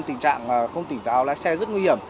tình trạng không tỉnh táo lái xe rất nguy hiểm